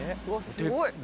すごい。